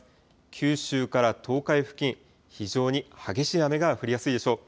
九州から東海付近、非常に激しい雨が降りやすいでしょう。